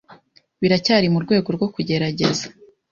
Biracyari murwego rwo kugerageza.